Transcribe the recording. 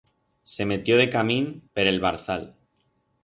Se metió decamín per el barzal.